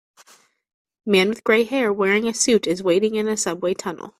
Man with gray hair wearing a suit is waiting in a subway tunnel.